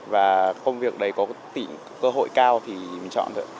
và công việc đấy có cơ hội cao thì mình chọn được